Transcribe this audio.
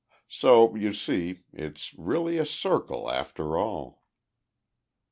So you see, it's really a circle, after all."